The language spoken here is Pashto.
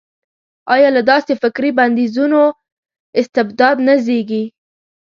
ایا له داسې فکري بندیزونو استبداد نه زېږي.